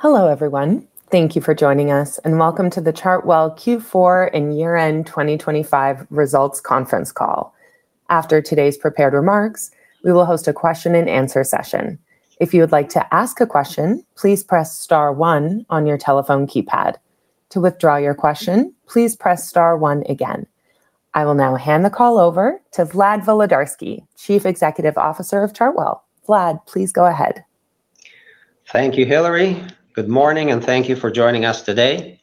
Hello, everyone. Thank you for joining us, and welcome to the Chartwell Q4 and year-end 2025 Results Conference Call. After today's prepared remarks, we will host a question and answer session. If you would like to ask a question, please press star one on your telephone keypad. To withdraw your question, please press star one again. I will now hand the call over to Vlad Volodarski, Chief Executive Officer of Chartwell. Vlad, please go ahead. Thank you, Hillary. Good morning, and thank you for joining us today.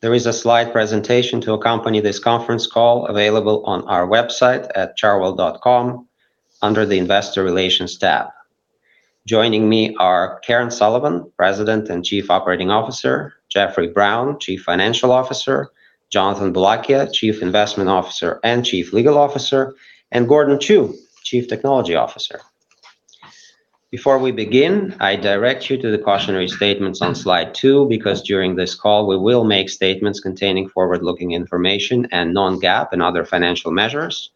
There is a slide presentation to accompany this conference call available on our website at chartwell.com under the Investor Relations tab. Joining me are Karen Sullivan, President and Chief Operating Officer, Jeffrey Brown, Chief Financial Officer, Jonathan Boulakia, Chief Investment Officer and Chief Legal Officer, and Gordon Chiu, Chief Technology Officer. Before we begin, I direct you to the cautionary statements on Slide 2, because during this call, we will make statements containing forward-looking information and non-GAAP and other financial measures.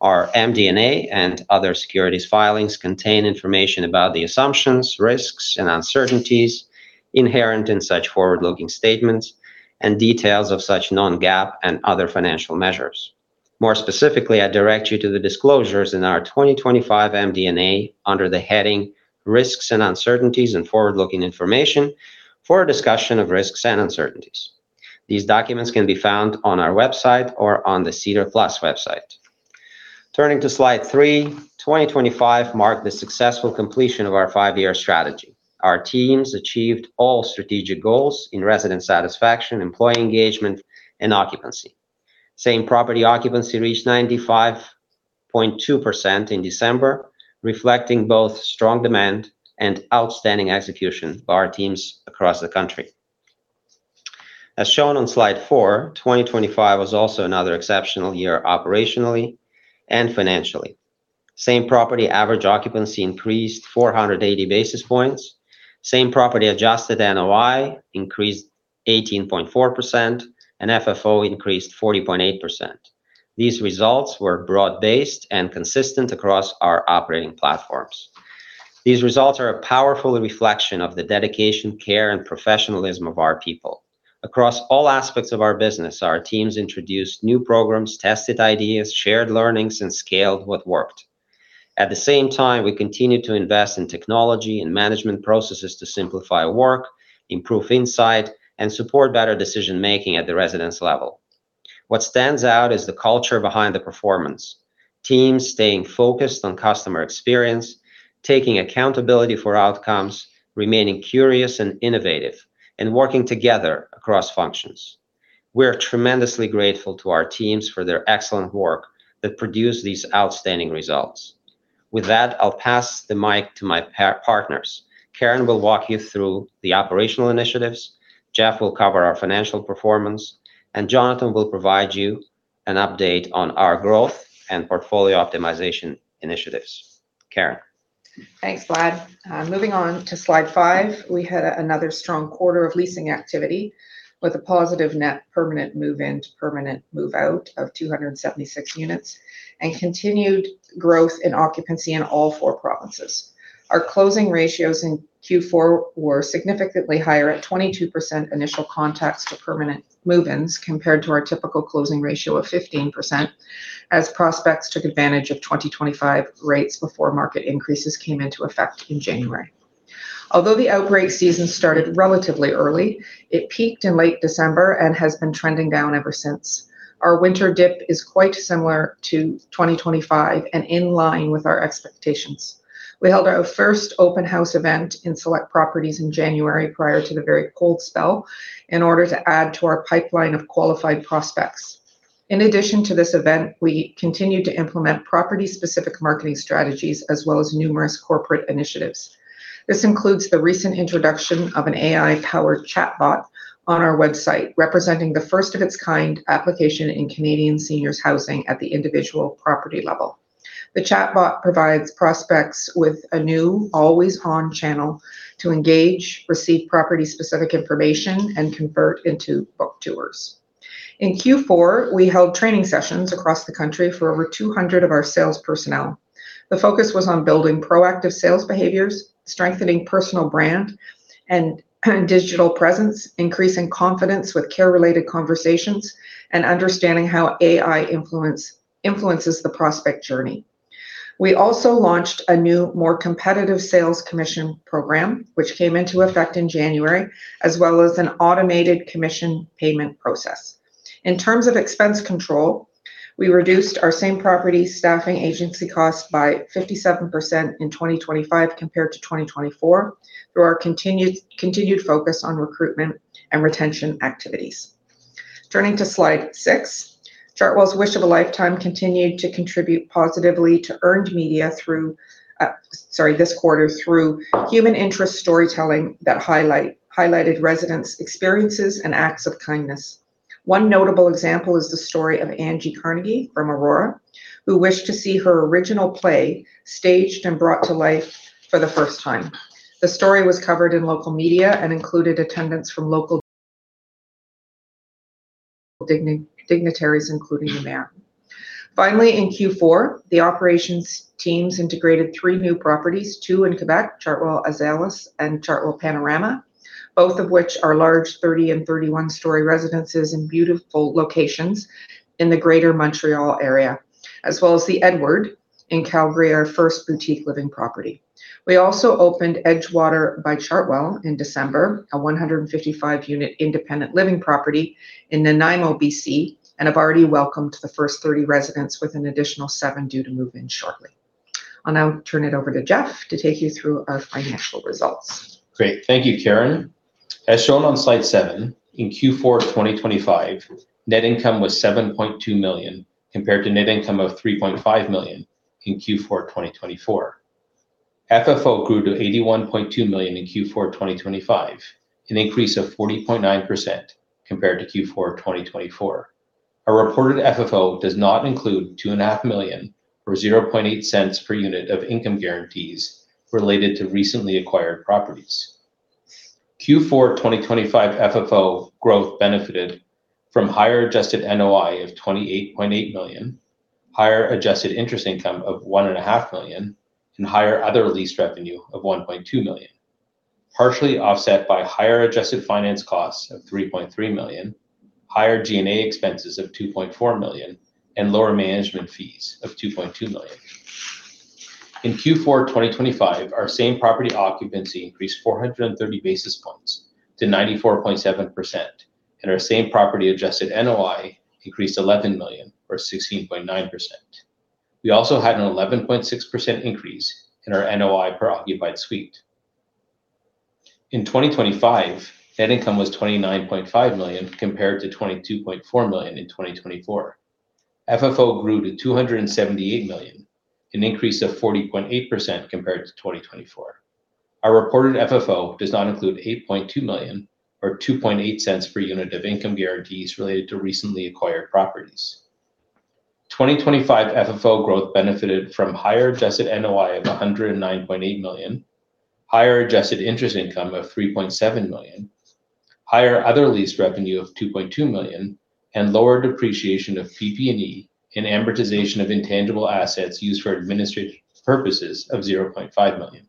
Our MD&A and other securities filings contain information about the assumptions, risks, and uncertainties inherent in such forward-looking statements and details of such non-GAAP and other financial measures. More specifically, I direct you to the disclosures in our 2025 MD&A under the heading Risks and Uncertainties and Forward-Looking Information for a discussion of risks and uncertainties. These documents can be found on our website or on the SEDAR+ website. Turning to Slide 3, 2025 marked the successful completion of our five-year strategy. Our teams achieved all strategic goals in resident satisfaction, employee engagement, and occupancy. Same-property occupancy reached 95.2% in December, reflecting both strong demand and outstanding execution by our teams across the country. As shown on Slide 4, 2025 was also another exceptional year operationally and financially. Same-property average occupancy increased 480 basis points. Same-property adjusted NOI increased 18.4%, and FFO increased 40.8%. These results were broad-based and consistent across our operating platforms. These results are a powerful reflection of the dedication, care, and professionalism of our people. Across all aspects of our business, our teams introduced new programs, tested ideas, shared learnings, and scaled what worked. At the same time, we continued to invest in technology and management processes to simplify work, improve insight, and support better decision-making at the residence level. What stands out is the culture behind the performance: teams staying focused on customer experience, taking accountability for outcomes, remaining curious and innovative, and working together across functions. We are tremendously grateful to our teams for their excellent work that produced these outstanding results. With that, I'll pass the mic to my partners. Karen will walk you through the operational initiatives, Jeff will cover our financial performance, and Jonathan will provide you an update on our growth and portfolio optimization initiatives. Karen? Thanks, Vlad. Moving on to Slide 5, we had another strong quarter of leasing activity with a positive net permanent move-in to permanent move-out of 276 units and continued growth in occupancy in all four provinces. Our closing ratios in Q4 were significantly higher at 22% initial contacts to permanent move-ins, compared to our typical closing ratio of 15%, as prospects took advantage of 2025 rates before market increases came into effect in January. The outbreak season started relatively early, it peaked in late December and has been trending down ever since. Our winter dip is quite similar to 2025 and in line with our expectations. We held our first open house event in select properties in January prior to the very cold spell in order to add to our pipeline of qualified prospects. In addition to this event, we continued to implement property-specific marketing strategies, as well as numerous corporate initiatives. This includes the recent introduction of an AI-powered chatbot on our website, representing the first of its kind application in Canadian seniors housing at the individual property level. The chatbot provides prospects with a new always-on channel to engage, receive property-specific information, and convert into booked tours. In Q4, we held training sessions across the country for over 200 of our sales personnel. The focus was on building proactive sales behaviors, strengthening personal brand and digital presence, increasing confidence with care-related conversations, and understanding how AI influences the prospect journey. We also launched a new, more competitive sales commission program, which came into effect in January, as well as an automated commission payment process. In terms of expense control, we reduced our same property staffing agency costs by 57% in 2025 compared to 2024, through our continued focus on recruitment and retention activities. Turning to Slide 6, Chartwell's Wish of a Lifetime continued to contribute positively to earned media through, sorry, this quarter through human interest storytelling that highlighted residents' experiences and acts of kindness. One notable example is the story of Angie Carnegie from Aurora, who wished to see her original play staged and brought to life for the first time. The story was covered in local media and included attendance from local dignitaries, including the mayor. Finally, in Q4, the operations teams integrated three new properties, two in Quebec, Chartwell Azalis and Chartwell Panorama, both of which are large 30 and 31 story residences in beautiful locations in the greater Montreal area, as well as The Edward in Calgary, our first boutique living property. We also opened Edgewater by Chartwell in December, a 155 unit independent living property in Nanaimo, BC, and have already welcomed the first 30 residents, with an additional seven due to move in shortly. I'll now turn it over to Jeff to take you through our financial results. Great. Thank you, Karen. As shown on Slide 7, in Q4 2025, net income was 7.2 million, compared to net income of 3.5 million in Q4 2024. FFO grew to 81.2 million in Q4 2025, an increase of 40.9% compared to Q4 2024. Our reported FFO does not include 2.5 million, or 0.008 per unit of income guarantees related to recently acquired properties. Q4 2025 FFO growth benefited from higher adjusted NOI of 28.8 million, higher adjusted interest income of 1.5 million, and higher other lease revenue of 1.2 million, partially offset by higher adjusted finance costs of 3.3 million, higher G&A expenses of 2.4 million, and lower management fees of 2.2 million. In Q4 2025, our same property occupancy increased 430 basis points to 94.7%, and our same property adjusted NOI increased 11 million, or 16.9%. We also had an 11.6% increase in our NOI per occupied suite. In 2025, net income was 29.5 million, compared to 22.4 million in 2024. FFO grew to 278 million, an increase of 40.8% compared to 2024. Our reported FFO does not include 8.2 million, or 0.028 per unit of income guarantees related to recently acquired properties. 2025 FFO growth benefited from higher adjusted NOI of 109.8 million, higher adjusted interest income of 3.7 million, higher other lease revenue of 2.2 million, and lower depreciation of PP&E and amortization of intangible assets used for administrative purposes of 0.5 million.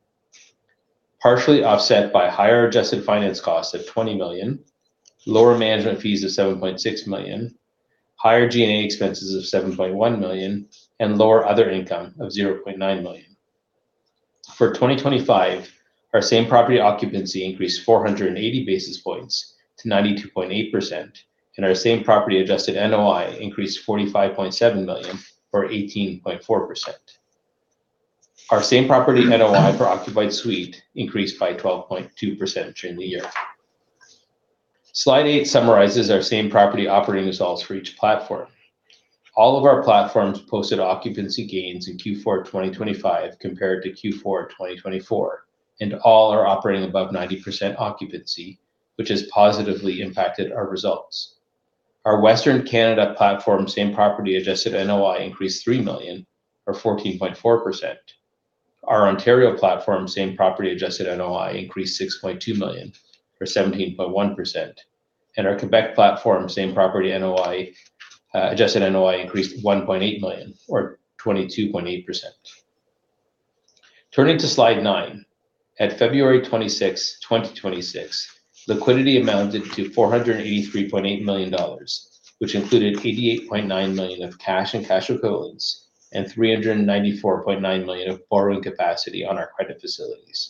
Partially offset by higher adjusted finance costs of 20 million, lower management fees of 7.6 million, higher G&A expenses of 7.1 million, and lower other income of 0.9 million. For 2025, our same property occupancy increased 480 basis points to 92.8%, and our same property adjusted NOI increased 45.7 million or 18.4%. Our same property NOI per occupied suite increased by 12.2% during the year. Slide 8 summarizes our same property operating results for each platform. All of our platforms posted occupancy gains in Q4 2025 compared to Q4 2024, and all are operating above 90% occupancy, which has positively impacted our results. Our Western Canada platform, same property adjusted NOI increased 3 million or 14.4%. Our Ontario platform, same property adjusted NOI increased 6.2 million or 17.1%, and our Quebec platform, same property NOI, adjusted NOI increased 1.8 million or 22.8%. Turning to Slide 9. At February 26, 2026, liquidity amounted to 483.8 million dollars, which included 88.9 million of cash and cash equivalents and 394.9 million of borrowing capacity on our credit facilities.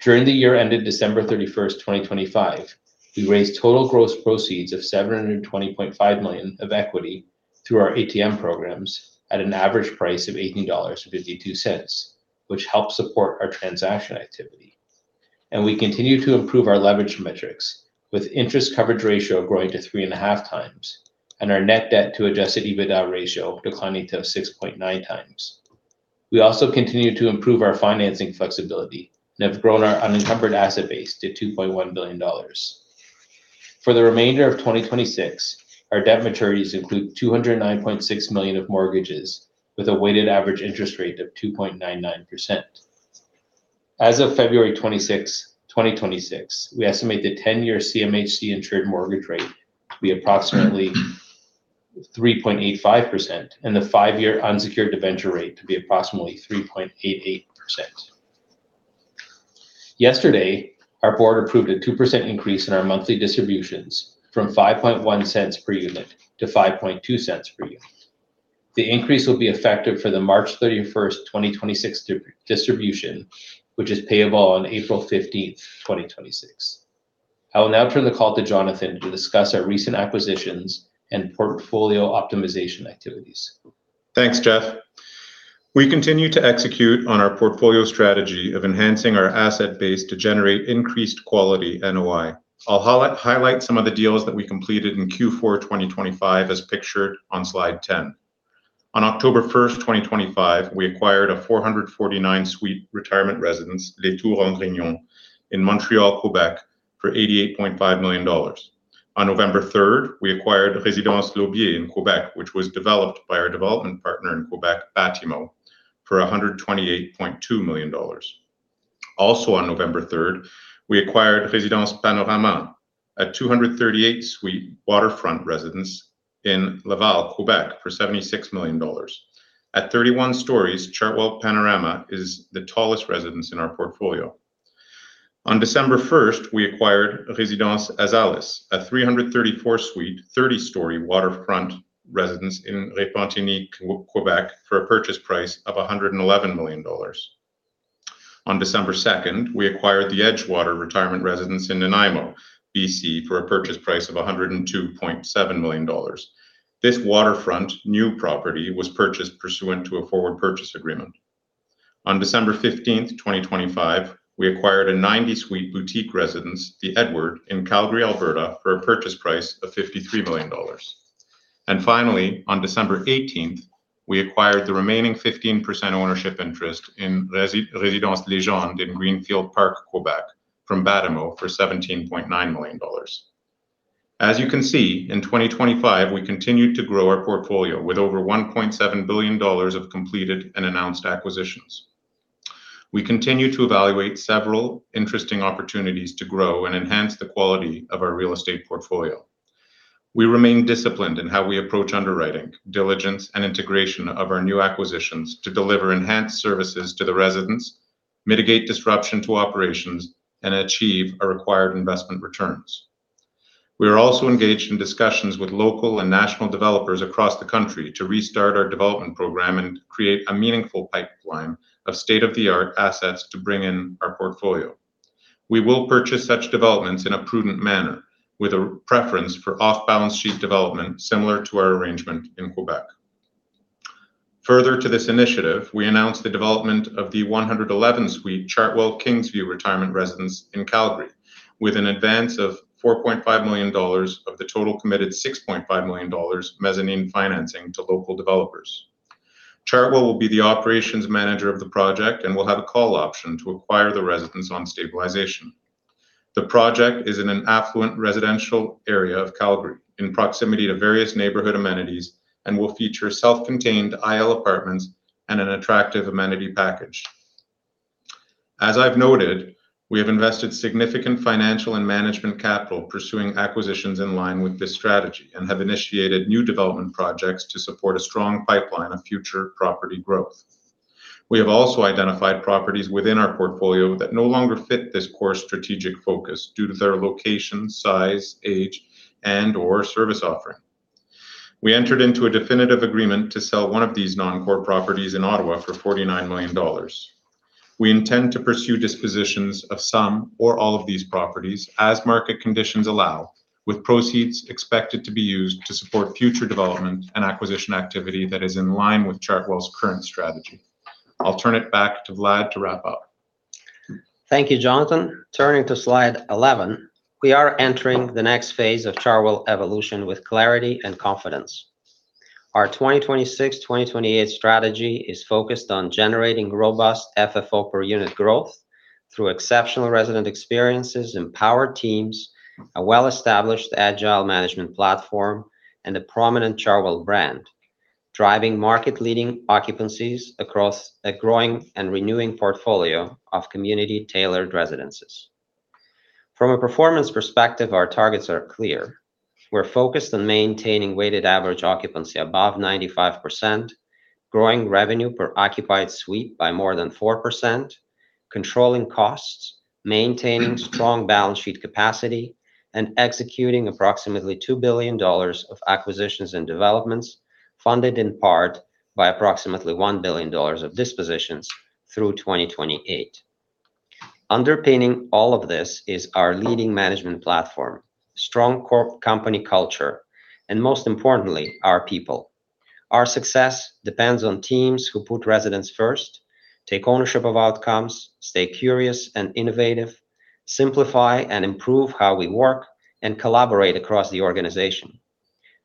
During the year ended December 31st, 2025, we raised total gross proceeds of 720.5 million of equity through our ATM programs at an average price of 18.52 dollars, which helped support our transaction activity. We continue to improve our leverage metrics, with interest coverage ratio growing to 3.5x, and our net debt to adjusted EBITDA ratio declining to 6.9x. We also continue to improve our financing flexibility and have grown our unencumbered asset base to 2.1 billion dollars. For the remainder of 2026, our debt maturities include 209.6 million of mortgages, with a weighted average interest rate of 2.99%. As of February 26, 2026, we estimate the 10-year CMHC insured mortgage rate to be approximately 3.85%, and the five-year unsecured debenture rate to be approximately 3.88%. Yesterday, our board approved a 2% increase in our monthly distributions from 0.051 per unit to 0.052 per unit. The increase will be effective for the March 31st, 2026 distribution, which is payable on April 15, 2026. I will now turn the call to Jonathan to discuss our recent acquisitions and portfolio optimization activities. Thanks, Jeff. We continue to execute on our portfolio strategy of enhancing our asset base to generate increased quality NOI. I'll highlight some of the deals that we completed in Q4 2025, as pictured on Slide 10. On October 1st, 2025, we acquired a 449-suite retirement residence, Les Tours Angrignon, in Montreal, Quebec, for 88.5 million dollars. On November 3rd, we acquired Residence L'Aubier in Quebec, which was developed by our development partner in Quebec, Batimo, for 128.2 million dollars. On November third, we acquired Résidence Panorama, a 238-suite waterfront residence in Laval, Quebec, for $76 million. At 31 stories, Chartwell Panorama is the tallest residence in our portfolio. On December 1st, we acquired Residence Azalis, a 334-suite, 30-story waterfront residence in Repentigny, Quebec, for a purchase price of $111 million. On December 2nd, we acquired The Edgewater Retirement Residence in Nanaimo, BC, for a purchase price of $102.7 million. This waterfront new property was purchased pursuant to a forward purchase agreement. On December 15th, 2025, we acquired a 90-suite boutique residence, The Edward, in Calgary, Alberta, for a purchase price of $53 million. Finally, on December 18th, we acquired the remaining 15% ownership interest in Résidence Légende in Greenfield Park, Quebec, from Batimo for 17.9 million dollars. As you can see, in 2025, we continued to grow our portfolio with over 1.7 billion dollars of completed and announced acquisitions. We continue to evaluate several interesting opportunities to grow and enhance the quality of our real estate portfolio. We remain disciplined in how we approach underwriting, diligence, and integration of our new acquisitions to deliver enhanced services to the residents, mitigate disruption to operations, and achieve our required investment returns. We are also engaged in discussions with local and national developers across the country to restart our development program and create a meaningful pipeline of state-of-the-art assets to bring in our portfolio. We will purchase such developments in a prudent manner, with a preference for off-balance sheet development similar to our arrangement in Quebec. Further to this initiative, we announced the development of the 111-suite Chartwell Kingsview Retirement Residence in Calgary, with an advance of 4.5 million dollars of the total committed 6.5 million dollars mezzanine financing to local developers. Chartwell will be the operations manager of the project and will have a call option to acquire the residence on stabilization. The project is in an affluent residential area of Calgary, in proximity to various neighborhood amenities, and will feature self-contained AL apartments and an attractive amenity package. As I've noted, we have invested significant financial and management capital pursuing acquisitions in line with this strategy and have initiated new development projects to support a strong pipeline of future property growth. We have also identified properties within our portfolio that no longer fit this core strategic focus due to their location, size, age, and/or service offering. We entered into a definitive agreement to sell one of these non-core properties in Ottawa for 49 million dollars. We intend to pursue dispositions of some or all of these properties as market conditions allow, with proceeds expected to be used to support future development and acquisition activity that is in line with Chartwell's current strategy. I'll turn it back to Vlad to wrap up. Thank you, Jonathan. Turning to Slide 11, we are entering the next phase of Chartwell evolution with clarity and confidence. Our 2026, 2028 strategy is focused on generating robust FFO per unit growth through exceptional resident experiences, empowered teams, a well-established agile management platform, and a prominent Chartwell brand, driving market-leading occupancies across a growing and renewing portfolio of community-tailored residences. From a performance perspective, our targets are clear. We're focused on maintaining weighted average occupancy above 95%, growing revenue per occupied suite by more than 4%, controlling costs, maintaining strong balance sheet capacity, and executing approximately 2 billion dollars of acquisitions and developments, funded in part by approximately 1 billion dollars of dispositions through 2028. Underpinning all of this is our leading management platform, strong core company culture, and most importantly, our people. Our success depends on teams who put residents first, take ownership of outcomes, stay curious and innovative, simplify and improve how we work, and collaborate across the organization.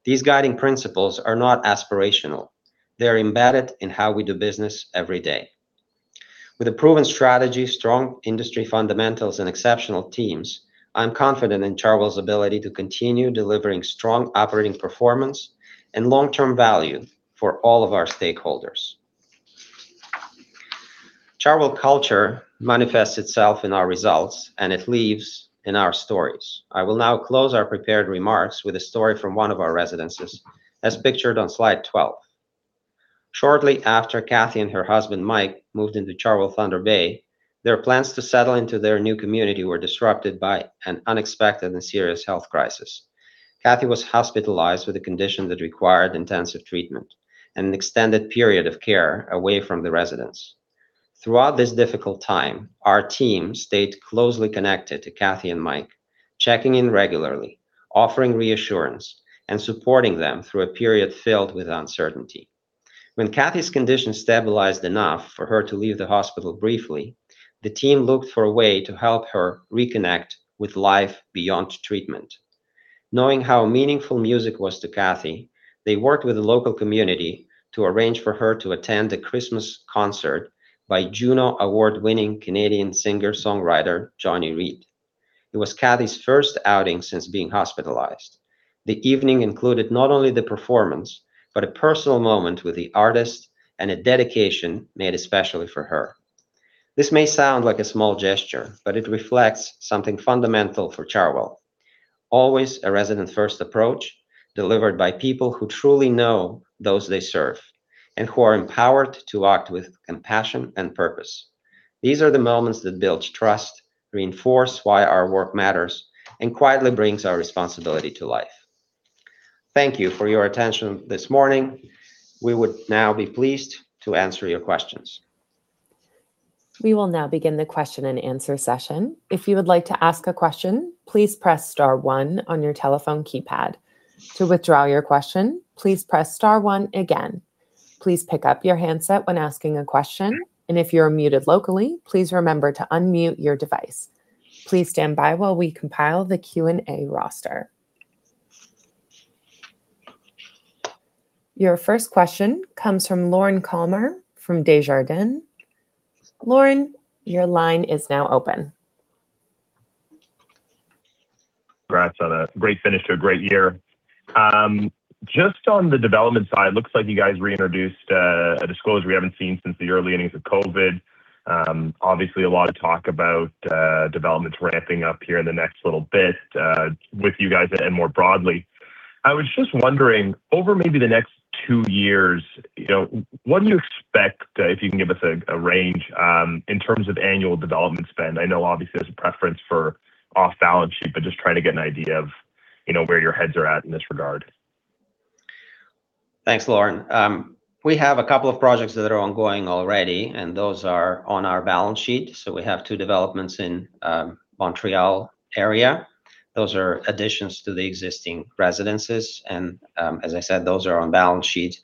These guiding principles are not aspirational; they're embedded in how we do business every day. With a proven strategy, strong industry fundamentals, and exceptional teams, I'm confident in Chartwell's ability to continue delivering strong operating performance and long-term value for all of our stakeholders. Chartwell culture manifests itself in our results, and it lives in our stories. I will now close our prepared remarks with a story from one of our residences, as pictured on Slide 12. Shortly after Kathy and her husband, Mike, moved into Chartwell Thunder Bay, their plans to settle into their new community were disrupted by an unexpected and serious health crisis. Kathy was hospitalized with a condition that required intensive treatment and an extended period of care away from the residence. Throughout this difficult time, our team stayed closely connected to Kathy and Mike, checking in regularly, offering reassurance, and supporting them through a period filled with uncertainty. When Kathy's condition stabilized enough for her to leave the hospital briefly, the team looked for a way to help her reconnect with life beyond treatment. Knowing how meaningful music was to Kathy, they worked with the local community to arrange for her to attend a Christmas concert by Juno Award-winning Canadian singer-songwriter Johnny Reid. It was Kathy's first outing since being hospitalized. The evening included not only the performance, but a personal moment with the artist and a dedication made especially for her. This may sound like a small gesture, but it reflects something fundamental for Chartwell. Always a resident-first approach, delivered by people who truly know those they serve, and who are empowered to act with compassion and purpose. These are the moments that build trust, reinforce why our work matters, and quietly brings our responsibility to life. Thank you for your attention this morning. We would now be pleased to answer your questions. We will now begin the question and answer session. If you would like to ask a question, please press star one on your telephone keypad. To withdraw your question, please press star one again. Please pick up your handset when asking a question, and if you're muted locally, please remember to unmute your device. Please stand by while we compile the Q&A roster. Your first question comes from Lorne Kalmar from Desjardins. Lorne, your line is now open. Congrats on a great finish to a great year. Just on the development side, looks like you guys reintroduced a disclosure we haven't seen since the early innings of COVID. Obviously a lot of talk about developments ramping up here in the next little bit with you guys and more broadly. I was just wondering, over maybe the next two years, you know, what do you expect, if you can give us a range, in terms of annual development spend? I know obviously there's a preference for off balance sheet, just trying to get an idea of, you know, where your heads are at in this regard. Thanks, Lorne. We have a couple of projects that are ongoing already, and those are on our balance sheet. We have two developments in Montreal area. Those are additions to the existing residences, and, as I said, those are on balance sheet.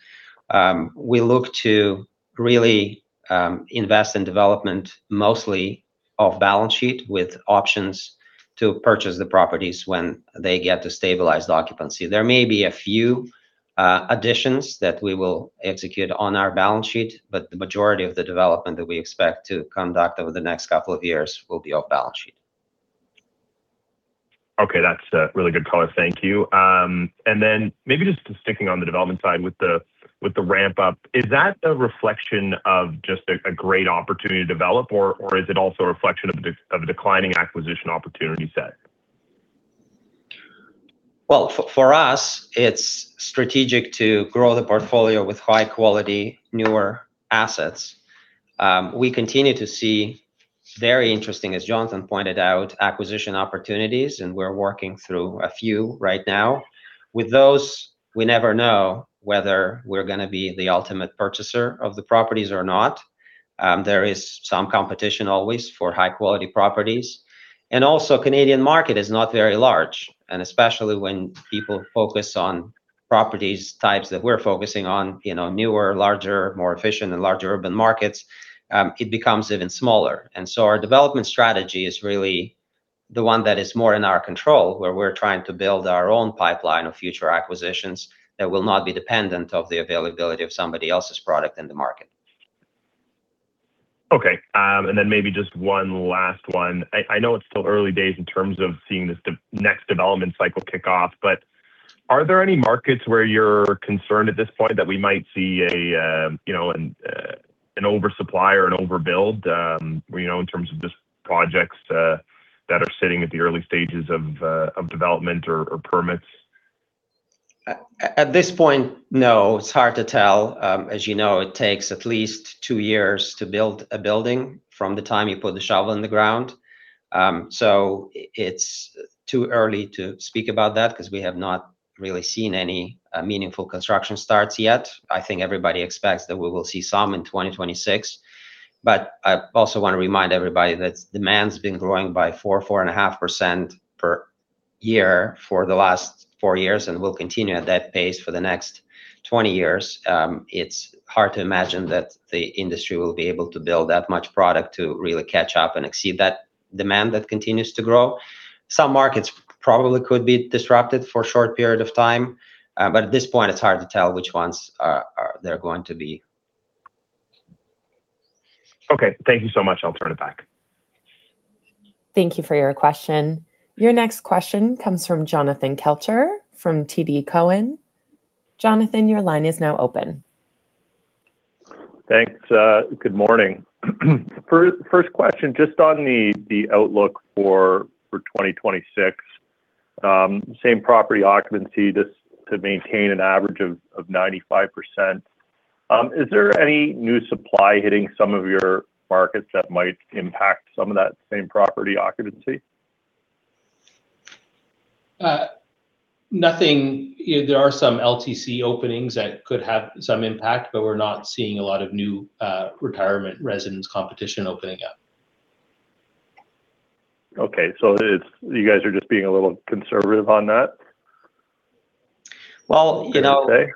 We look to really invest in development, mostly off balance sheet, with options to purchase the properties when they get to stabilized occupancy. There may be a few additions that we will execute on our balance sheet, but the majority of the development that we expect to conduct over the next couple of years will be off balance sheet. Okay, that's a really good color. Thank you. Maybe just sticking on the development side with the, with the ramp up, is that a reflection of just a great opportunity to develop, or is it also a reflection of a declining acquisition opportunity set? Well, for us, it's strategic to grow the portfolio with high quality, newer assets. We continue to see very interesting, as Jonathan pointed out, acquisition opportunities, and we're working through a few right now. With those, we never know whether we're going to be the ultimate purchaser of the properties or not. There is some competition always for high-quality properties. Canadian market is not very large, and especially when people focus on properties types that we're focusing on, you know, newer, larger, more efficient and larger urban markets, it becomes even smaller. Our development strategy is really the one that is more in our control, where we're trying to build our own pipeline of future acquisitions that will not be dependent of the availability of somebody else's product in the market. Okay, maybe just one last one. I know it's still early days in terms of seeing this next development cycle kick off, but are there any markets where you're concerned at this point that we might see a, you know, an oversupply or an overbuild, you know, in terms of just projects that are sitting at the early stages of development or permits? At this point, no. It's hard to tell. As you know, it takes at least two years to build a building from the time you put the shovel in the ground. So it's too early to speak about that because we have not really seen any meaningful construction starts yet. I think everybody expects that we will see some in 2026. I also want to remind everybody that demand's been growing by 4.5% per year for the last four years, and will continue at that pace for the next 20 years. It's hard to imagine that the industry will be able to build that much product to really catch up and exceed that demand that continues to grow. Some markets probably could be disrupted for a short period of time. At this point, it's hard to tell which ones are they're going to be. Okay, thank you so much. I'll turn it back. Thank you for your question. Your next question comes from Jonathan Kelcher, from TD Cowen. Jonathan, your line is now open. Thanks. Good morning. First question, just on the outlook for 2026. Same property occupancy, just to maintain an average of 95%. Is there any new supply hitting some of your markets that might impact some of that same property occupancy? Nothing. There are some LTC openings that could have some impact, but we're not seeing a lot of new retirement residence competition opening up. You guys are just being a little conservative on that? Well, you know- Would you say?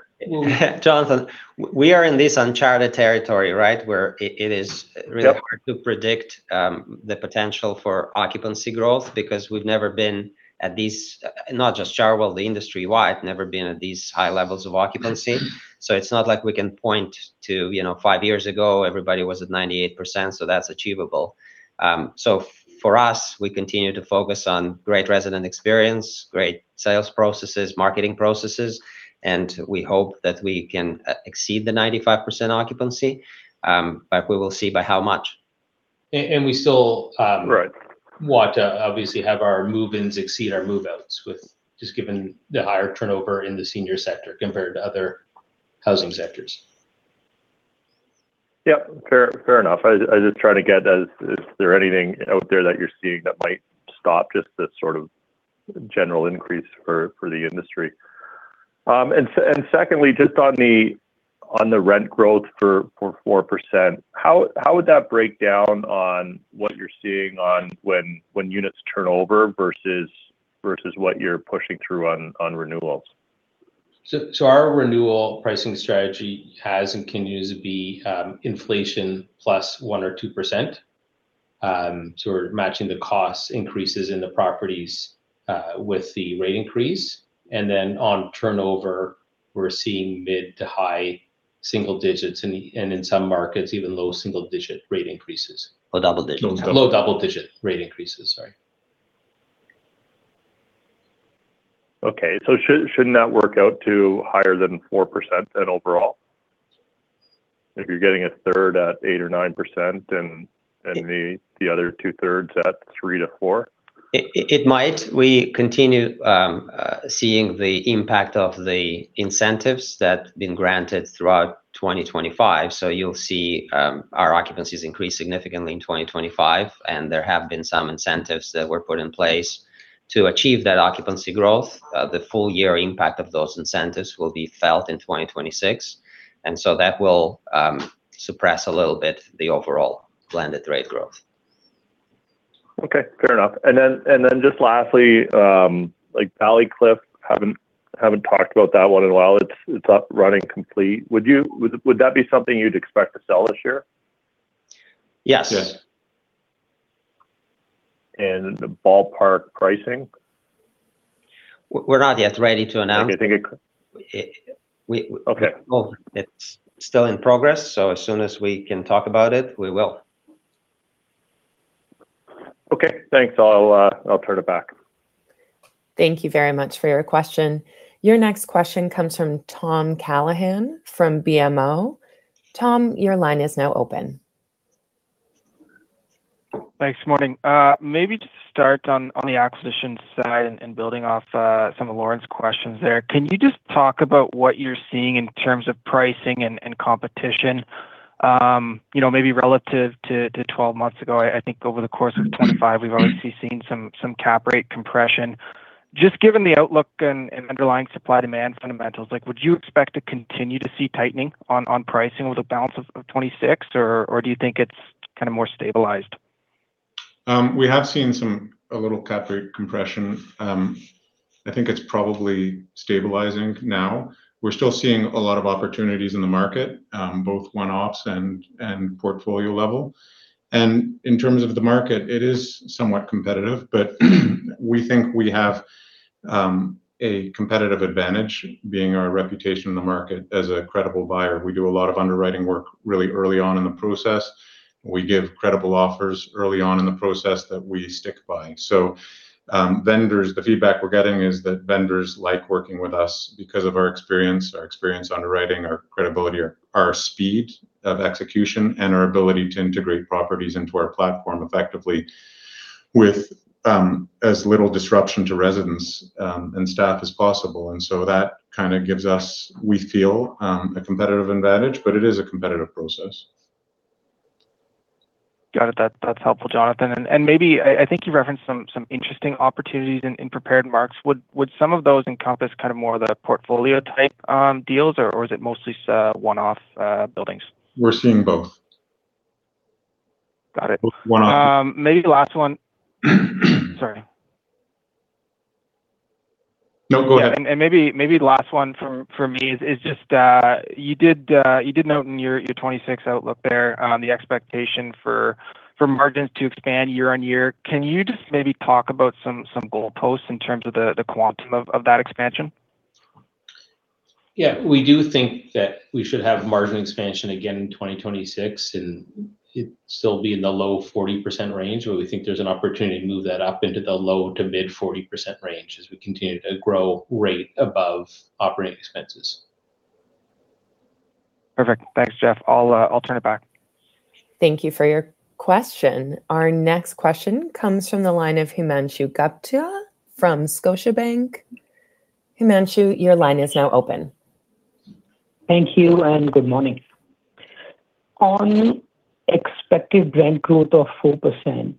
Jonathan, we are in this uncharted territory, right? Where it is... Yep... really hard to predict, the potential for occupancy growth because we've never been at this, not just Chartwell, the industry wide, never been at these high levels of occupancy. Mm-hmm. It's not like we can point to, you know, five years ago, everybody was at 98%, that's achievable. For us, we continue to focus on great resident experience, great sales processes, marketing processes, and we hope that we can exceed the 95% occupancy, but we will see by how much.... and we still, Right want to obviously have our move-ins exceed our move-outs with just given the higher turnover in the senior sector compared to other housing sectors. Yep, fair enough. I was just trying to get, is there anything out there that you're seeing that might stop just this sort of general increase for the industry? Secondly, just on the rent growth for 4%, how would that break down on what you're seeing on when units turn over versus what you're pushing through on renewals? Our renewal pricing strategy has and continues to be, inflation plus 1% or 2%. We're matching the cost increases in the properties with the rate increase. On turnover, we're seeing mid to high single digits, and in some markets, even low single digit rate increases. Double digits. Low double digit rate increases, sorry. Okay. Shouldn't that work out to higher than 4% then overall? If you're getting a third at 8% or 9%, and then the other two thirds at 3%-4%? It might. We continue seeing the impact of the incentives that have been granted throughout 2025. You'll see our occupancies increase significantly in 2025, and there have been some incentives that were put in place to achieve that occupancy growth. The full year impact of those incentives will be felt in 2026, and so that will suppress a little bit the overall blended rate growth. Okay, fair enough. Just lastly, like Ballycliffe, haven't talked about that one in a while. It's up running complete. Would that be something you'd expect to sell this year? Yes. Yes. Ballpark pricing? We're not yet ready to announce. Okay, I think it- It, we- Okay. Well, it's still in progress, so as soon as we can talk about it, we will. Okay, thanks. I'll turn it back. Thank you very much for your question. Your next question comes from Tom Callaghan from BMO. Tom, your line is now open. Thanks. Morning. Maybe just to start on the acquisition side and building off some of Lorne's questions there. Can you just talk about what you're seeing in terms of pricing and competition? You know, maybe relative to 12 months ago. I think over the course of 2025, we've obviously seen some cap rate compression. Just given the outlook and underlying supply-demand fundamentals, like, would you expect to continue to see tightening on pricing with the balance of 2026? Or do you think it's kind of more stabilized? We have seen a little cap rate compression. I think it's probably stabilizing now. We're still seeing a lot of opportunities in the market, both one-offs and portfolio level. In terms of the market, it is somewhat competitive, but we think we have a competitive advantage, being our reputation in the market as a credible buyer. We do a lot of underwriting work really early on in the process. We give credible offers early on in the process that we stick by. Vendors, the feedback we're getting is that vendors like working with us because of our experience, our experience underwriting, our credibility, our speed of execution, and our ability to integrate properties into our platform effectively with as little disruption to residents and staff as possible. That kind of gives us, we feel, a competitive advantage, but it is a competitive process. Got it. That's helpful, Jonathan. Maybe, I think you referenced some interesting opportunities in prepared marks. Would some of those encompass kind of more the portfolio type deals, or is it mostly one-off buildings? We're seeing both. Got it. One-off. Maybe the last one. Sorry. No, go ahead. Yeah. Maybe the last one from, for me is just, you did note in your 2026 outlook there, the expectation for margins to expand year-over-year. Can you just maybe talk about some goalposts in terms of the quantum of that expansion? Yeah. We do think that we should have margin expansion again in 2026, and it still be in the low 40% range, where we think there's an opportunity to move that up into the low to mid 40% range as we continue to grow rate above operating expenses. Perfect. Thanks, Jeff. I'll turn it back. Thank you for your question. Our next question comes from the line of Himanshu Gupta from Scotiabank. Himanshu, your line is now open. Thank you, good morning. On expected rent growth of 4%,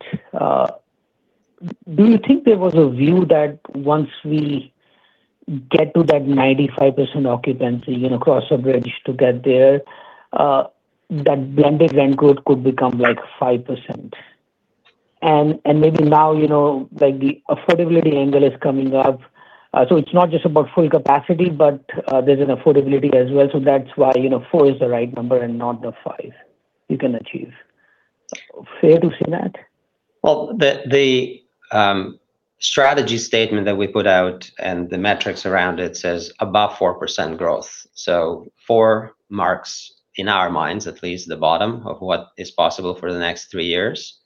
do you think there was a view that once we get to that 95% occupancy, you know, cross a bridge to get there, that blended rent growth could become like 5%? Maybe now, you know, like the affordability angle is coming up, it's not just about full capacity, but there's an affordability as well. That's why, you know, 4% is the right number and not the 5% you can achieve. Fair to say that? Well, the strategy statement that we put out and the metrics around it says above 4% growth. 4% marks, in our minds at least, the bottom of what is possible for the next three years.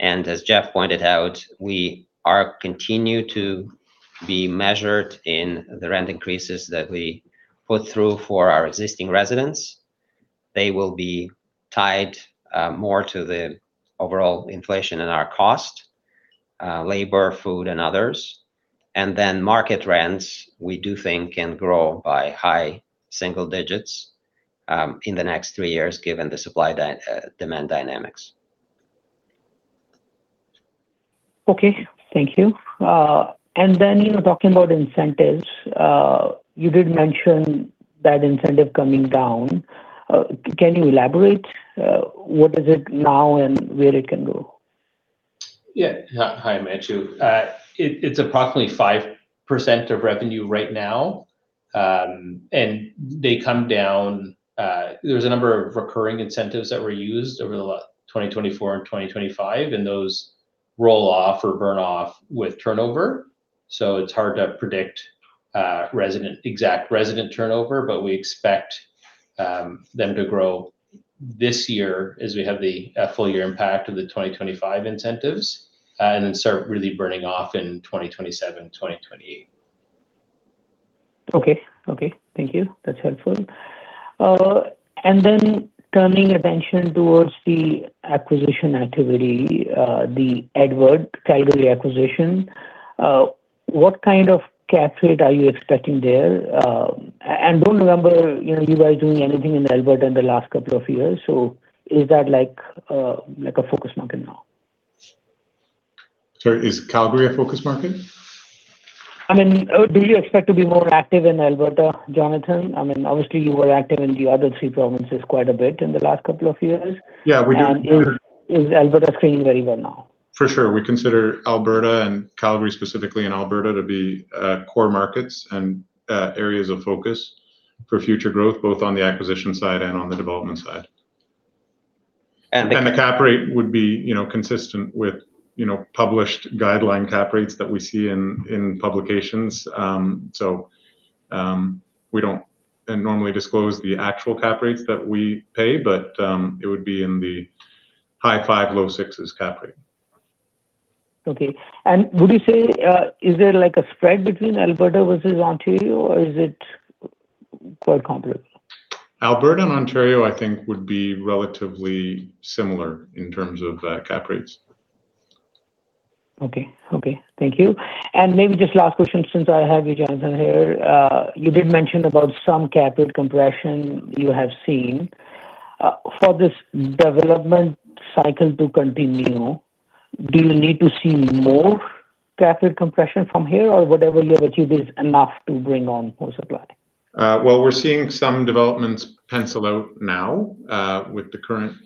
As Jeff pointed out, we are continue to be measured in the rent increases that we put through for our existing residents. They will be tied more to the overall inflation and our cost, labor, food, and others. Then market rents, we do think can grow by high single digits in the next three years, given the supply demand dynamics. Okay, thank you. you know, talking about incentives, you did mention that incentive coming down. Can you elaborate, what is it now and where it can go? Himanshu. It's approximately 5% of revenue right now, and they come down. There's a number of recurring incentives that were used over the 2024 and 2025, and those roll off or burn off with turnover. It's hard to predict exact resident turnover, but we expect them to grow this year as we have the full year impact of the 2025 incentives, and then start really burning off in 2027, 2028. Okay. Okay, thank you. That's helpful. Turning attention towards the acquisition activity, The Edward Calgary acquisition, what kind of cap rate are you expecting there? Don't remember, you know, you guys doing anything in Alberta in the last couple of years, is that like a focus market now? Sorry, is Calgary a focus market? I mean, do you expect to be more active in Alberta, Jonathan? I mean, obviously, you were active in the other three provinces quite a bit in the last couple of years. Yeah, we. Is Alberta fitting very well now? For sure. We consider Alberta and Calgary, specifically in Alberta, to be core markets and areas of focus for future growth, both on the acquisition side and on the development side. And- The cap rate would be, you know, consistent with, you know, published guideline cap rates that we see in publications. We don't normally disclose the actual cap rates that we pay, it would be in the high 5%s, low 6%s cap rate. Okay. Would you say, is there like a spread between Alberta versus Ontario, or is it quite complex? Alberta and Ontario, I think, would be relatively similar in terms of cap rates. Okay. Okay, thank you. Maybe just last question, since I have you, Jonathan, here. You did mention about some capital compression you have seen. For this development cycle to continue, do you need to see more capital compression from here, or whatever you have achieved is enough to bring on more supply? Well, we're seeing some developments pencil out now with the current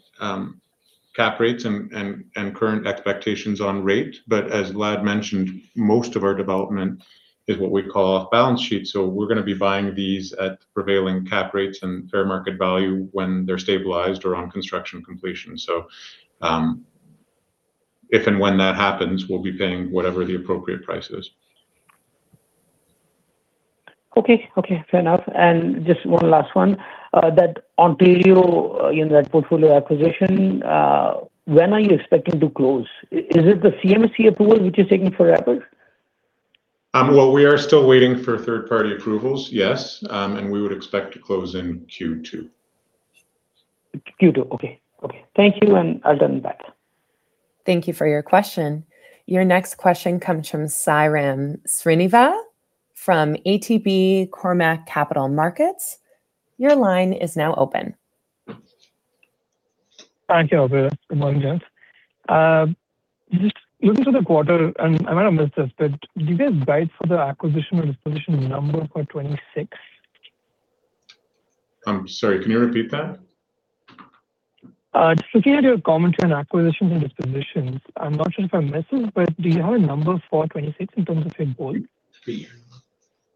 cap rates and current expectations on rate. As Lad mentioned, most of our development is what we call off-balance sheet, so we're gonna be buying these at prevailing cap rates and fair market value when they're stabilized or on construction completion. If and when that happens, we'll be paying whatever the appropriate price is. Okay. Okay, fair enough. Just one last one, that Ontario, in that portfolio acquisition, when are you expecting to close? Is it the CMHC approval which is taking forever? Well, we are still waiting for third-party approvals, yes. We would expect to close in Q2. Q2, okay. Okay. Thank you, and I'll get back. Thank you for your question. Your next question comes from Sairam Srinivas from ATB Cormark Capital Markets. Your line is now open. Thank you, Operator. Good morning, gents. Just looking for the quarter, and I might have missed this, but do you guys guide for the acquisition or disposition number for 2026? I'm sorry, can you repeat that? Just looking at your commentary on acquisitions and dispositions, I'm not sure if I missed it, but do you have a number for 2026 in terms of end goal?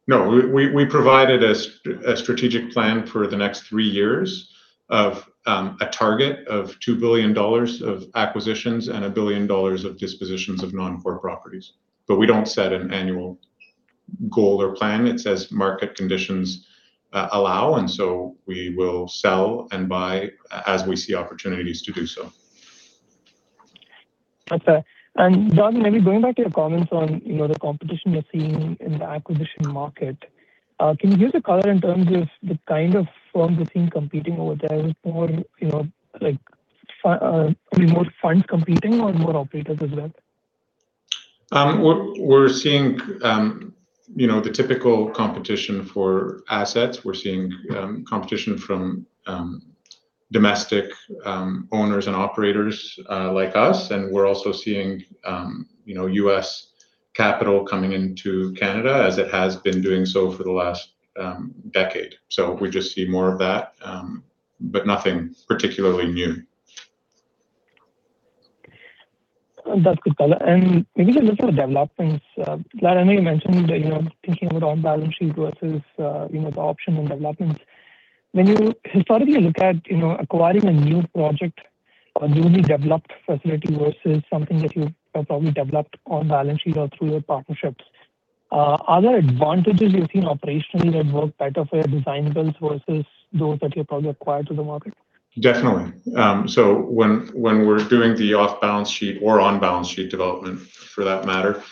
No, we provided a strategic plan for the next three years of a target of 2 billion dollars of acquisitions and 1 billion dollars of dispositions of non-core properties. We don't set an annual goal or plan. It says market conditions allow, we will sell and buy as we see opportunities to do so. Okay. John, maybe going back to your comments on, you know, the competition you're seeing in the acquisition market, can you give the color in terms of the kind of firms you're seeing competing over there? Is it more, you know, like, probably more funds competing or more operators as well? We're seeing, you know, the typical competition for assets. We're seeing competition from domestic owners and operators, like us, We're also seeing, you know, U.S. capital coming into Canada as it has been doing so for the last decade. We just see more of that, but nothing particularly new. That's good, color. Maybe just look at the developments. Vlad, I know you mentioned that, you know, thinking about on-balance sheet versus, you know, the option and developments. When you historically look at, you know, acquiring a new project or a newly developed facility versus something that you have probably developed on-balance sheet or through your partnerships, are there advantages you've seen operationally that work better for your design builds versus those that you probably acquired to the market? Definitely. When, when we're doing the off-balance sheet or on-balance sheet development, for that matter,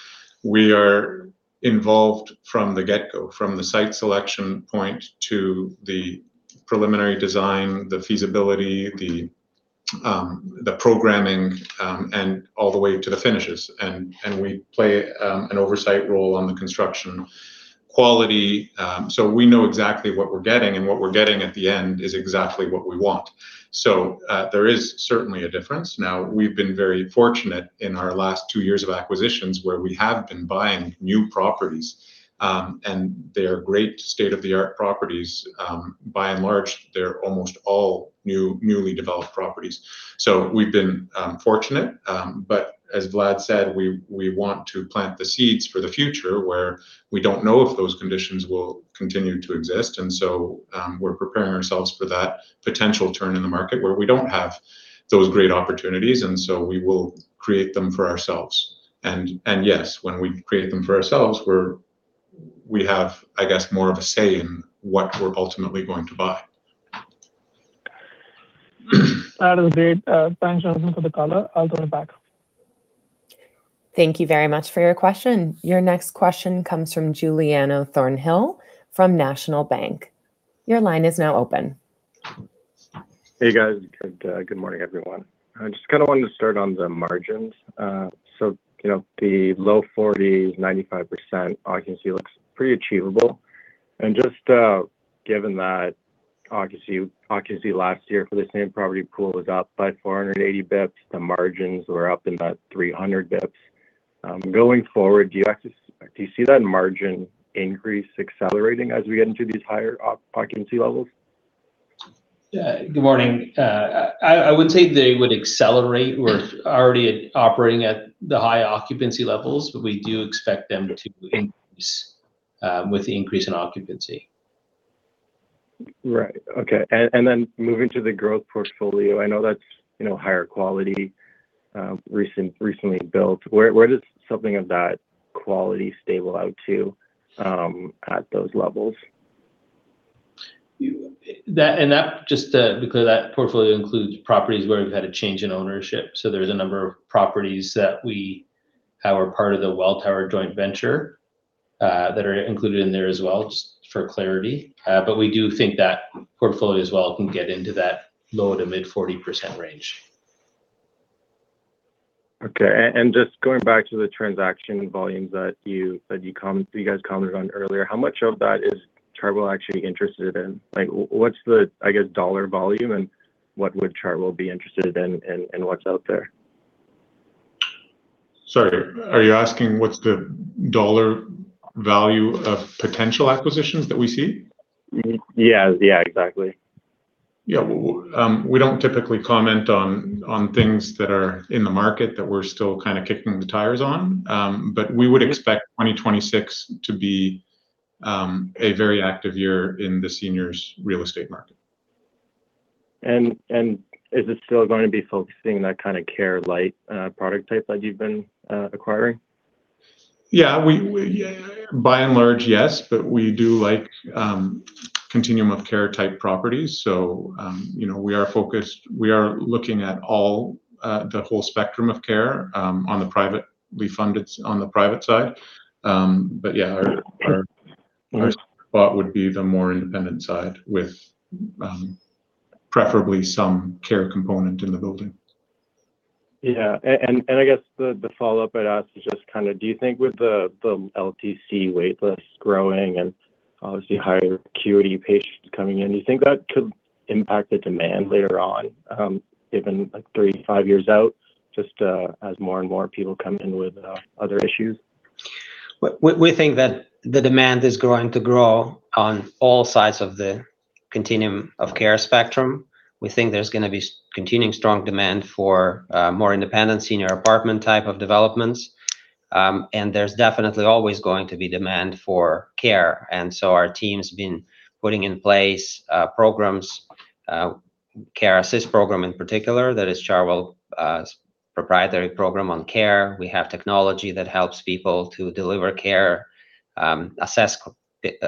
we are involved from the get-go, from the site selection point to the preliminary design, the feasibility, the programming, and all the way to the finishes. We play an oversight role on the construction quality, so we know exactly what we're getting, and what we're getting at the end is exactly what we want. There is certainly a difference. We've been very fortunate in our last two years of acquisitions where we have been buying new properties, and they are great state-of-the-art properties. By and large, they're almost all newly developed properties. We've been fortunate. As Vlad said, we want to plant the seeds for the future, where we don't know if those conditions will continue to exist. We're preparing ourselves for that potential turn in the market where we don't have those great opportunities, and so we will create them for ourselves. Yes, when we create them for ourselves, we have, I guess, more of a say in what we're ultimately going to buy. That is great. Thanks, Jonathan, for the color. I'll turn it back. Thank you very much for your question. Your next question comes from Giuliano Thornhill from National Bank. Your line is now open. Hey, guys. Good day. Good morning, everyone. I just kind of wanted to start on the margins. You know, the low 40%s, 95% occupancy looks pretty achievable. Just given that occupancy last year for the same property pool was up by 480 bps, the margins were up in about 300 bps. Going forward, do you see that margin increase accelerating as we get into these higher occupancy levels? Yeah. Good morning. I wouldn't say they would accelerate. We're already operating at the high occupancy levels. We do expect them to increase with the increase in occupancy. Right. Okay. Then moving to the growth portfolio, I know that's, you know, higher quality, recently built. Where does something of that quality stable out to at those levels? Just to be clear, that portfolio includes properties where we've had a change in ownership. There's a number of properties that we, that were part of the Welltower joint venture, that are included in there as well, just for clarity. We do think that portfolio as well can get into that low to mid-40% range. Okay. Just going back to the transaction volumes that you guys commented on earlier, how much of that is Chartwell actually interested in? Like, what's the, I guess, dollar volume, and what would Chartwell be interested in, and what's out there? Sorry, are you asking what's the dollar value of potential acquisitions that we see? Yeah. Yeah, exactly. Yeah. Well, we don't typically comment on things that are in the market that we're still kind of kicking the tires on. We would expect 2026 to be, a very active year in the seniors real estate market. Is it still going to be focusing on that kind of care light product type that you've been acquiring? We by and large, yes, but we do like continuum of care type properties. You know, we are focused, we are looking at all the whole spectrum of care on the privately funded, on the private side. Our thought would be the more independent side with preferably some care component in the building. Yeah. I guess the follow-up I'd ask is just: Do you think with the LTC wait lists growing and obviously higher acuity patients coming in, do you think that could impact the demand later on, even three to five years out, as more and more people come in with other issues? We think that the demand is going to grow on all sides of the continuum of care spectrum. We think there's gonna be continuing strong demand for more independent senior apartment type of developments. There's definitely always going to be demand for care. Our team's been putting in place programs, Care Assist program in particular, that is Chartwell proprietary program on care. We have technology that helps people to deliver care, assess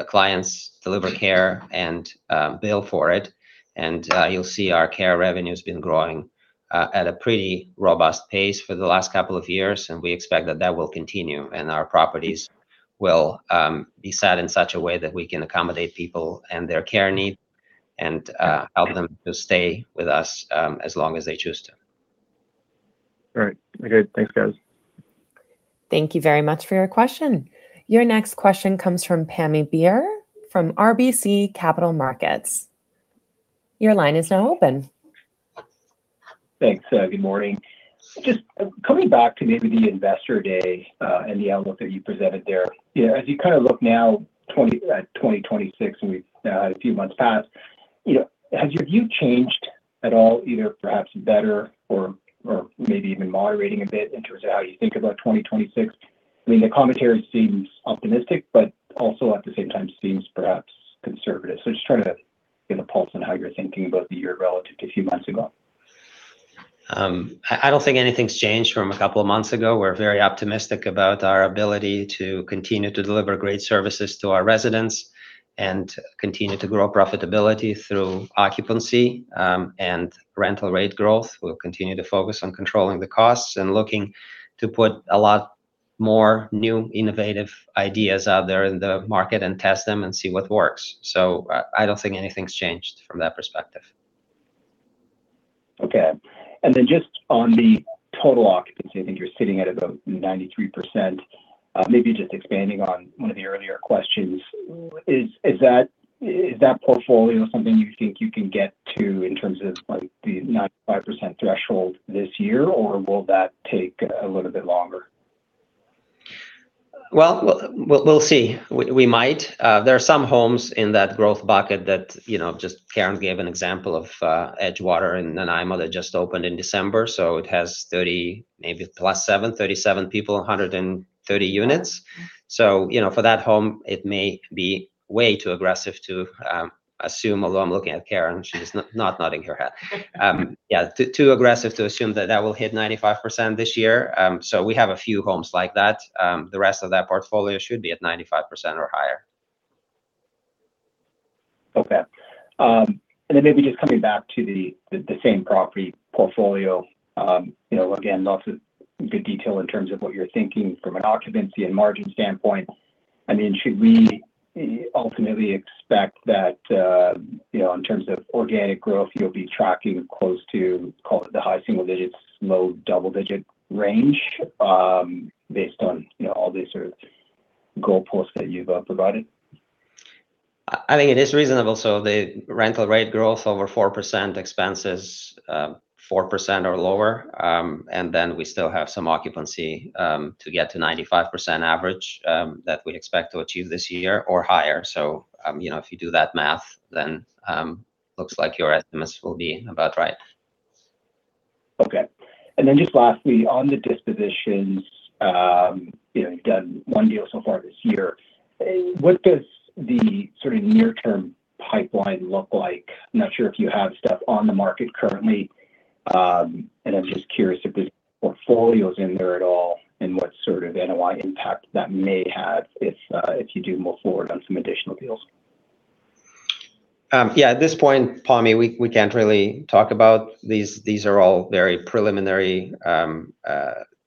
clients, deliver care, and bill for it. You'll see our care revenue's been growing at a pretty robust pace for the last couple of years, and we expect that that will continue, and our properties will be set in such a way that we can accommodate people and their care need and help them to stay with us as long as they choose to. All right. Okay. Thanks, guys. Thank you very much for your question. Your next question comes from Pammi Bir from RBC Capital Markets. Your line is now open. Thanks. Good morning. Just coming back to maybe the Investor Day and the outlook that you presented there, yeah, as you kind of look now, 2026 and we've a few months passed, you know, has your view changed at all, either perhaps better or maybe even moderating a bit in terms of how you think about 2026? I mean, the commentary seems optimistic, but also at the same time seems perhaps conservative. Just trying to get a pulse on how you're thinking about the year relative to a few months ago. I don't think anything's changed from a couple of months ago. We're very optimistic about our ability to continue to deliver great services to our residents and continue to grow profitability through occupancy and rental rate growth. We'll continue to focus on controlling the costs and looking to put a lot more new, innovative ideas out there in the market and test them and see what works. I don't think anything's changed from that perspective. Okay. Then just on the total occupancy, I think you're sitting at about 93%. Maybe just expanding on one of the earlier questions, is that portfolio something you think you can get to in terms of, like, the 95% threshold this year, or will that take a little bit longer? Well, we'll see. We might. There are some homes in that growth bucket that, you know, just Karen gave an example of Edgewater in Nanaimo that just opened in December, so it has 30, maybe +7, 37 people, 130 units. You know, for that home, it may be way too aggressive to assume, although I'm looking at Karen, she's not nodding her head. Yeah, too aggressive to assume that that will hit 95% this year. We have a few homes like that. The rest of that portfolio should be at 95% or higher. Okay. Then maybe just coming back to the same property portfolio. You know, again, lots of good detail in terms of what you're thinking from an occupancy and margin standpoint. I mean, should we ultimately expect that, you know, in terms of organic growth, you'll be tracking close to, call it, the high single digits, low double-digit range, based on, you know, all these sort of goalposts that you've provided? I think it is reasonable. The rental rate growth over 4%, expenses 4% or lower, and we still have some occupancy to get to 95% average that we expect to achieve this year or higher. You know, if you do that math, looks like your estimates will be about right. Just lastly, on the dispositions, you know, you've done one deal so far this year. What does the sort of near-term pipeline look like? I'm not sure if you have stuff on the market currently, and I'm just curious if there's portfolios in there at all and what sort of NOI impact that may have if you do move forward on some additional deals. Yeah, at this point, Pammi, we can't really talk about. These are all very preliminary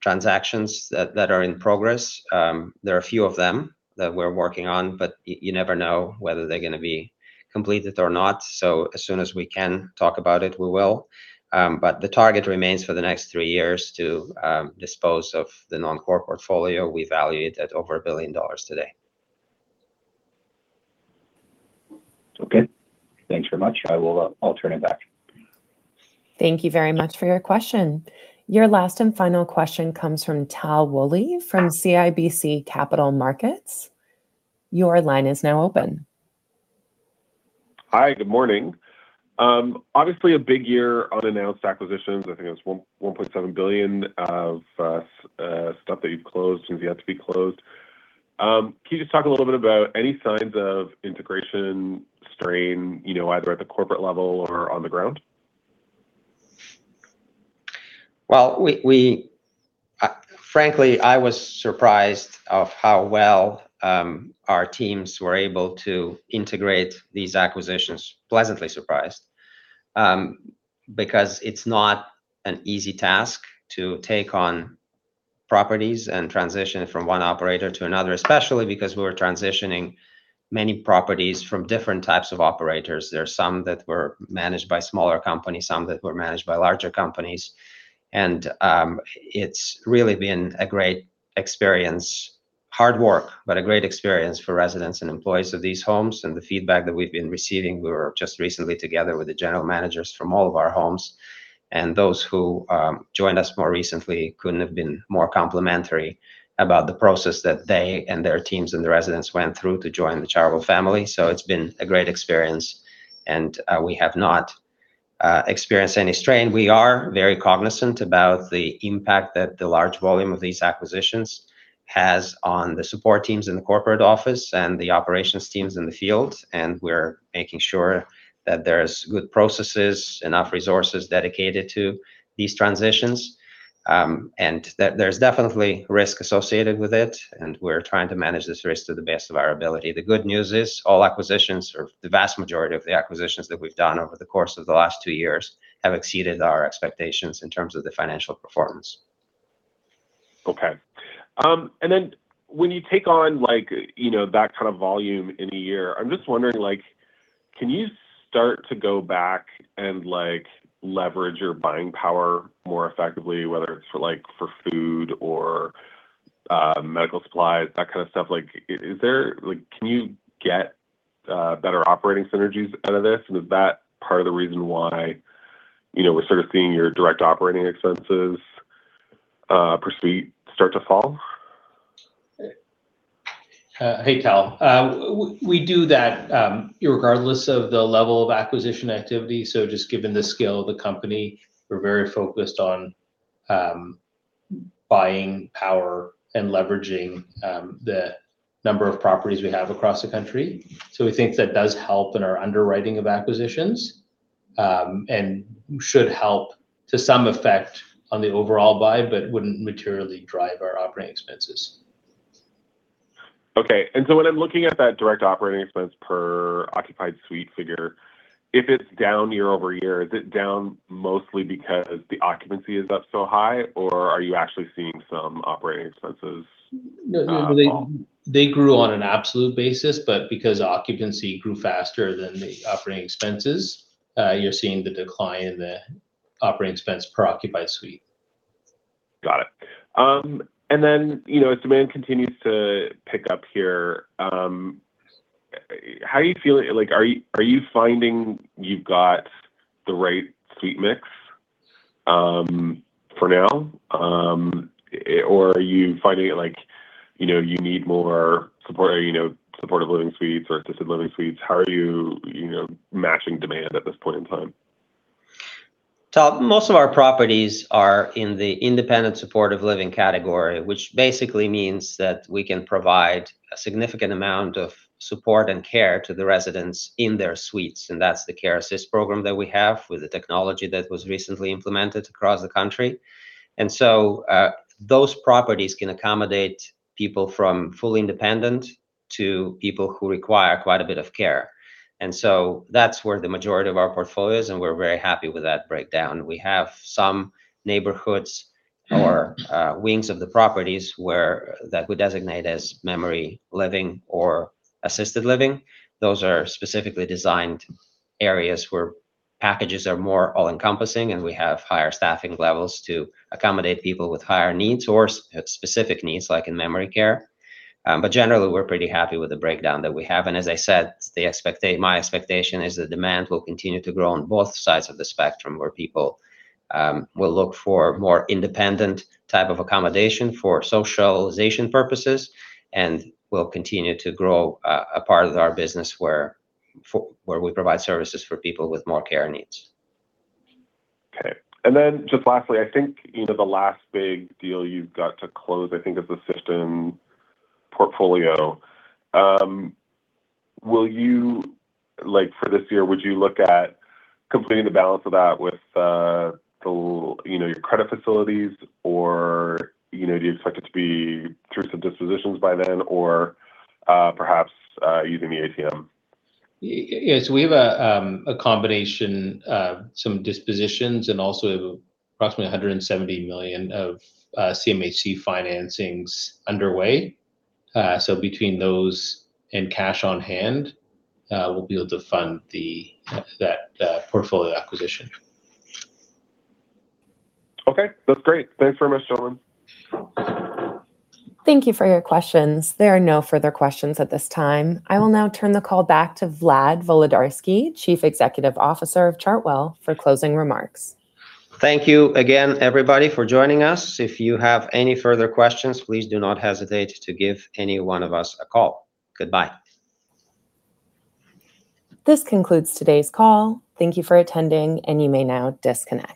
transactions that are in progress. There are a few of them that we're working on, but you never know whether they're gonna be completed or not. As soon as we can talk about it, we will. But the target remains for the next three years to dispose of the non-core portfolio we value at over 1 billion dollars today. Okay. Thanks very much. I'll turn it back. Thank you very much for your question. Your last and final question comes from Tal Woolley, from CIBC Capital Markets. Your line is now open. Hi, good morning. Obviously a big year on announced acquisitions. I think it was 1.7 billion of stuff that you've closed and things yet to be closed. Can you just talk a little bit about any signs of integration strain, you know, either at the corporate level or on the ground? Well, we frankly, I was surprised of how well our teams were able to integrate these acquisitions. Pleasantly surprised, because it's not an easy task to take on properties and transition from one operator to another, especially because we were transitioning many properties from different types of operators. There are some that were managed by smaller companies, some that were managed by larger companies, and it's really been a great experience. Hard work, but a great experience for residents and employees of these homes, and the feedback that we've been receiving. We were just recently together with the general managers from all of our homes, and those who joined us more recently couldn't have been more complimentary about the process that they and their teams and the residents went through to join the Chartwell family. It's been a great experience, and we have not experienced any strain. We are very cognizant about the impact that the large volume of these acquisitions has on the support teams in the corporate office and the operations teams in the field, and we're making sure that there's good processes, enough resources dedicated to these transitions. There, there's definitely risk associated with it, and we're trying to manage this risk to the best of our ability. The good news is all acquisitions, or the vast majority of the acquisitions that we've done over the course of the last two years, have exceeded our expectations in terms of the financial performance. Okay. When you take on, like, you know, that kind of volume in a year, I'm just wondering, like, can you start to go back and, like, leverage your buying power more effectively, whether it's for food or medical supplies, that kind of stuff? Like, can you get better operating synergies out of this? Is that part of the reason why, you know, we're sort of seeing your direct operating expenses, per se, start to fall? hey, Tal. we do that, irregardless of the level of acquisition activity. just given the scale of the company, we're very focused on buying power and leveraging, the number of properties we have across the country. We think that does help in our underwriting of acquisitions, and should help to some effect on the overall buy, but wouldn't materially drive our operating expenses. Okay. When I'm looking at that direct operating expense per occupied suite figure, if it's down year-over-year, is it down mostly because the occupancy is up so high, or are you actually seeing some operating expenses, fall? No, they grew on an absolute basis, but because occupancy grew faster than the operating expenses, you're seeing the decline in the operating expense per occupied suite. Got it. You know, as demand continues to pick up here, like, are you finding you've got the right suite mix, for now? Or are you finding it like, you know, you need more supportive, you know, supportive living suites or assisted living suites? How are you know, matching demand at this point in time? Tal, most of our properties are in the independent supportive living category, which basically means that we can provide a significant amount of support and care to the residents in their suites, and that's the Care Assist program that we have with the technology that was recently implemented across the country. Those properties can accommodate people from fully independent to people who require quite a bit of care. That's where the majority of our portfolio is, and we're very happy with that breakdown. We have some neighborhoods or wings of the properties that we designate as memory living or assisted living. Those are specifically designed areas where packages are more all-encompassing, and we have higher staffing levels to accommodate people with higher needs or specific needs, like in memory care. Generally, we're pretty happy with the breakdown that we have. As I said, my expectation is that demand will continue to grow on both sides of the spectrum, where people will look for more independent type of accommodation for socialization purposes, and we'll continue to grow a part of our business where we provide services for people with more care needs. Okay. Just lastly, I think, you know, the last big deal you've got to close, I think, is the Sifton portfolio. Will you, like, for this year, would you look at completing the balance of that with, the, you know, your credit facilities, or, you know, do you expect it to be through some dispositions by then or, perhaps, using the ATM? Yes, we have a combination of some dispositions and also approximately 170 million of CMHC financings underway. Between those and cash on hand, we'll be able to fund that portfolio acquisition. Okay, that's great. Thanks very much, all. Thank you for your questions. There are no further questions at this time. I will now turn the call back to Vlad Volodarski, Chief Executive Officer of Chartwell, for closing remarks. Thank you again, everybody, for joining us. If you have any further questions, please do not hesitate to give any one of us a call. Goodbye. This concludes today's call. Thank you for attending, and you may now disconnect.